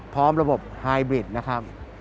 พร้อมระบบไฮบริดนะครับ